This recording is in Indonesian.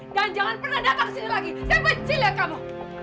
dan jangan pernah datang ke sini lagi saya benci lihat kamu